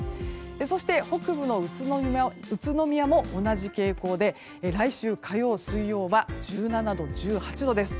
そして北部の宇都宮も同じ傾向で来週火曜、水曜は１７度、１８度です。